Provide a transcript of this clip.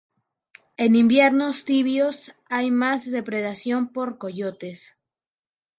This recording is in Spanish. En inviernos tibios, hay más depredación por coyotes.